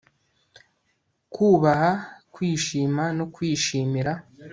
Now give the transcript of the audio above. kubaha, kwishima no kwishimira